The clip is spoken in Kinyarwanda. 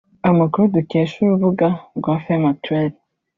Amakuru dukesha urubuga rwa femme actuelle